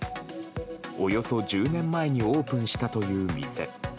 およそ１０年前にオープンしたという店。